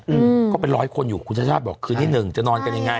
อืมก็เป็นร้อยคนอยู่คุณชาติชาติบอกคืนที่หนึ่งจะนอนกันยังไง